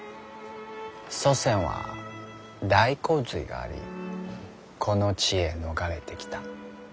祖先は大洪水がありこの地へ逃れてきた。